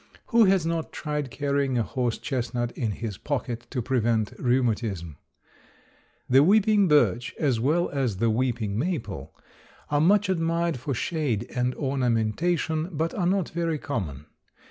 Who has not tried carrying a horse chestnut in his pocket to prevent rheumatism? The weeping birch, as well as the weeping maple, are much admired for shade and ornamentation, but are not very common.